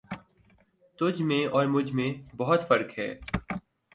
تجھ میں اور مجھ میں بہت فرق ہے